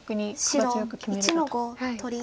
白１の五取り。